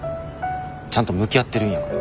ちゃんと向き合ってるんやから。